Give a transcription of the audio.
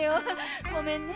ごめんね。